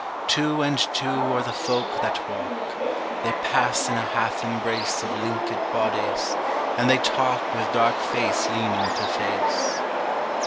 Two and two are the folk that walk, They pass in a half embrace Of linkèd bodies, and they talk With dark face leaning to face.